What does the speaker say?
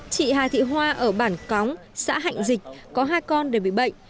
chị hà thị hoa ở bản cóng xã hạnh dịch có hai con đều bị bệnh